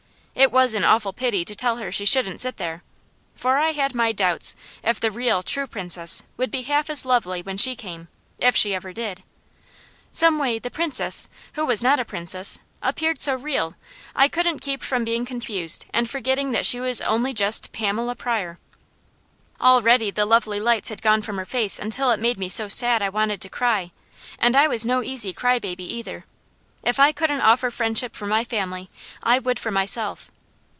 It was an awful pity to tell her she shouldn't sit there, for I had my doubts if the real, true Princess would be half as lovely when she came if she ever did. Some way the Princess, who was not a Princess, appeared so real, I couldn't keep from becoming confused and forgetting that she was only just Pamela Pryor. Already the lovely lights had gone from her face until it made me so sad I wanted to cry, and I was no easy cry baby either. If I couldn't offer friendship for my family I would for myself.